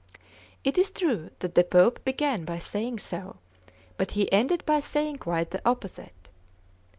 It is true that the Pope began by saying so, but he ended by saying quite the opposite.